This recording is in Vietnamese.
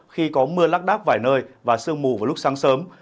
khi có mưa lắc đắp vài nơi và sương mù vào lúc sáng sớm